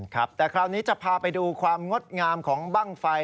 ครับแต่คราวนี้จะพาไปดูความงดงามของบ้างไฟ